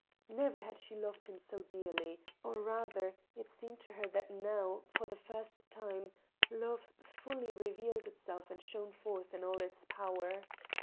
Never had she loved him so dearly; or, rather, it seemed to her that now, for the first time, love fully revealed itself and shone forth in all its power.